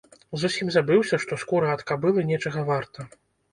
Зусім забыўся, што скура ад кабылы нечага варта.